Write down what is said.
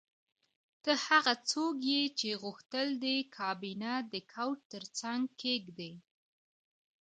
ته هغه څوک یې چې غوښتل دې کابینه د کوچ ترڅنګ کیږدې